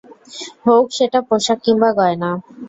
হউক সেটা পোশাক কিংবা গয়না।